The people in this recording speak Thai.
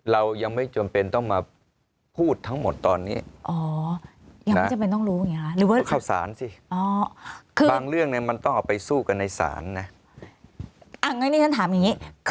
เรายังไม่จำเป็นต้องมาพูดทั้งหมดตอนนี้